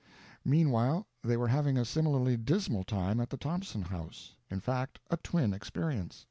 Meanwhile they were having a similarly dismal time at the Thompson house; in fact a twin experience.